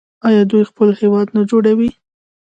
آیا دوی خپل هیواد نه جوړوي؟